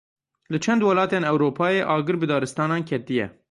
Li çend welatên Ewropayê agir bi daristanan ketiye.